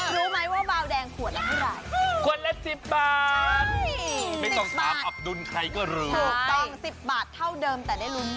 รู้ไหมว่าเบาแดงขวดละเท่าไหร่